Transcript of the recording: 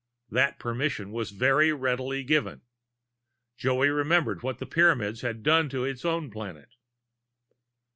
That permission was very readily given. Joey remembered what the Pyramids had done to its own planet.